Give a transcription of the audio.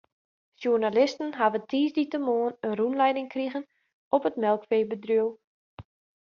Sjoernalisten hawwe tiisdeitemoarn in rûnlieding krigen op it melkfeebedriuw.